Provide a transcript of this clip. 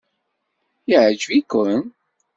Yeɛjeb-iken?